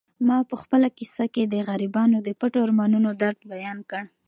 ما په خپله کیسه کې د غریبانو د پټو ارمانونو درد بیان کړ.